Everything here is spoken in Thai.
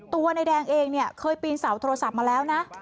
ตัวนายแดงเองเนี่ยเคยปีนเสาโทรศัพท์มาแล้วนะ